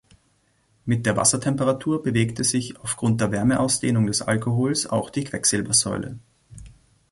Mit der Wassertemperatur bewegte sich aufgrund der Wärmeausdehnung des Alkohols auch die Quecksilbersäule.